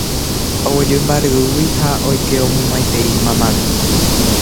Oguejy imba'yrúgui ha oike omomaitei mamáme.